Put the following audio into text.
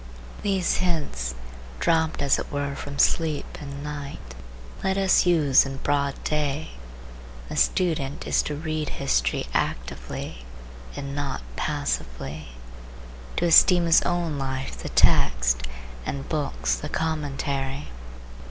These hints, dropped as it were from sleep and night, let us use in broad day. The student is to read history actively and not passively; to esteem his own life the text, and books the commentary.